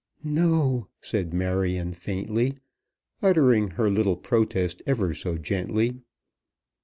"No," said Marion faintly, uttering her little protest ever so gently.